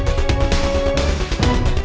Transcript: shaftadawada export serveradi